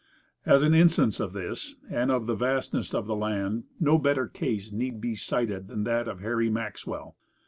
As an instance of this, and of the vastness of the land, no better case need be cited than that of Harry Maxwell.